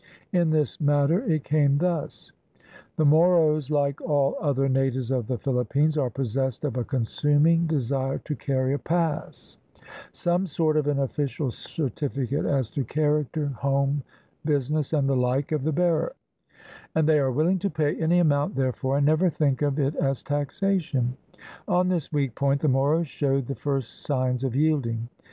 In this matter it came thus: — The Moros, like all other natives of the Philippines, are possessed of a consuming desire to carry a "pass," — some sort of an ofiicial certificate as to character, home, business, and the like, of the bearer, — and they are willing to pay any amoimt therefor, and never think of it as taxation. On this weak point the Moros showed the first signs of yielding.